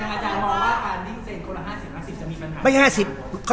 อาจารย์มองว่านิ่งเซ็นคนละห้าสิบห้าสิบจะมีปัญหา